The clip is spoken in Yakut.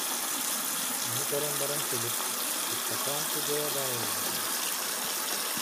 Ону көрөн баран Силип: «Ыстапаан Кудьайа баайыллан турар»